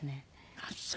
あっそう。